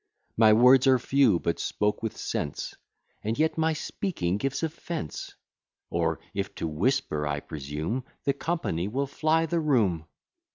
My words are few, but spoke with sense; And yet my speaking gives offence: Or, if to whisper I presume, The company will fly the room.